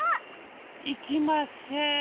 いきません。